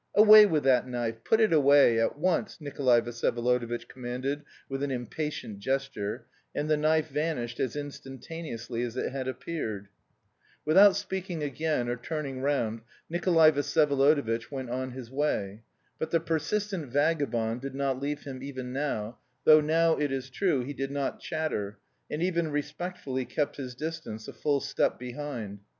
"Away with that knife; put it away, at once!" Nikolay Vsyevolodovitch commanded with an impatient gesture, and the knife vanished as instantaneously as it had appeared. Without speaking again or turning round, Nikolay Vsyevolodovitch went on his way. But the persistent vagabond did not leave him even now, though now, it is true, he did not chatter, and even respectfully kept his distance, a full step behind.